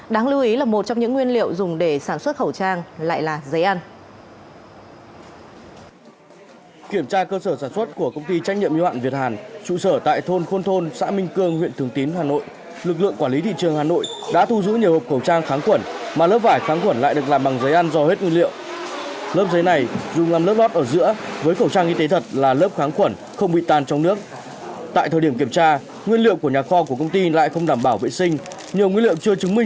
đáng lưu ý là một trong những nguyên liệu dùng để sản xuất khẩu trang lại là giấy ăn